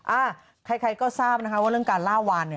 อ่ะใครค่อยก็ทราบนะคะว่าเรื่องการล่าวร้าน